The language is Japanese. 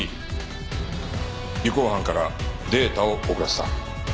尾行班からデータを送らせた。